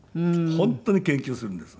本当に研究するんです。